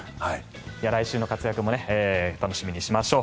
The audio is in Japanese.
来週の活躍も楽しみにしましょう。